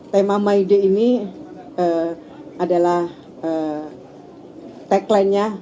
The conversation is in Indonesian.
tema my day ini adalah tagline nya